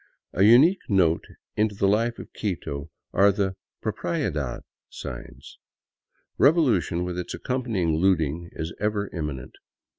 A unique note in the life of Quito are the '' Propiedad "• signs. Revolution, with its accompanying looting, is ever imminent.